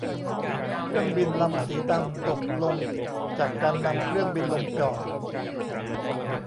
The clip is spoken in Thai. เครื่องบินลำสีดำตกลงจากการนำเครื่องบินลงจอด